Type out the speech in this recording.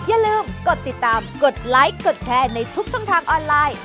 อย่าลืมกดติดตามกดไลค์กดแชร์ในทุกช่องทางออนไลน์